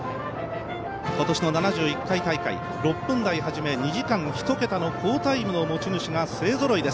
今年の７１回大会、６分台、２時間１桁の好タイムの持ち主が勢ぞろいです。